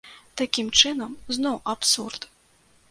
Такім чынам, зноў абсурд!